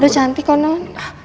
udah cantik konon